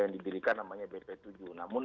yang didirikan namanya bp tujuh namun